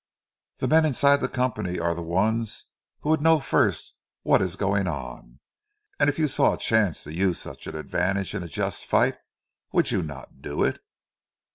The men inside the company are the ones who would know first what is going on; and if you saw a chance to use such an advantage in a just fight—would you not do it?"